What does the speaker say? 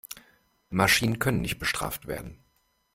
Maschinen können nicht bestraft werden.